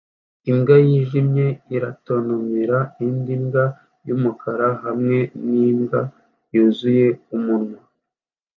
Imbwa yijimye iratontomera indi mbwa yumukara hamwe nimbwa yuzuye umunwa